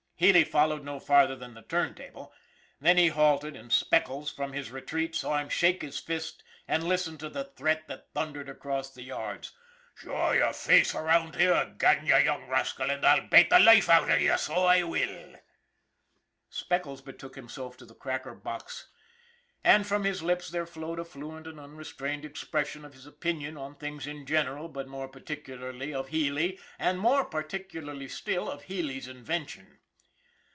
Healy followed no farther than the turntable. There he halted, and Speckles, from his retreat, saw him shake his fist and listened to the threat that thun dered across the yards: SPECKLES 319 " Show yer face around here ag'in, you young rascal, an' I'll bate the loife out av you, so I will !" Speckles betook himself to the cracker box; and from his lips there flowed a fluent and unrestrained expression of his opinion on things in general, but more particularly of Healy, and more particularly still of Healy's invention.